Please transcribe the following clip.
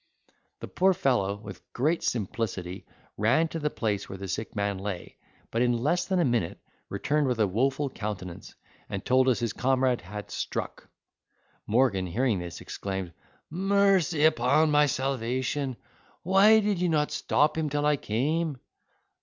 The poor fellow, with great simplicity, ran to the place where the sick man lay, but in less than a minute returned with a woful countenance, and told us his comrade had struck. Morgan, hearing this, exclaimed, "Mercy upon my salvation! why did you not stop him till I came?"